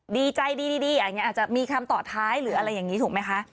ดีใจดีอย่างนี้อาจจะมีคำตอบท้ายหรืออะไรอย่างนี้ถูกไหมคะ